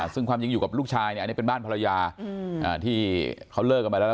ซึ่งความจริงอยู่กับลูกชายเนี่ยอันนี้เป็นบ้านภรรยาที่เขาเลิกกันไปแล้วล่ะ